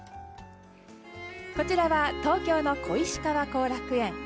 こちらは東京の小石川後楽園。